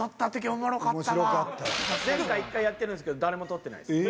前回１回やってるんですけど誰も取ってないです。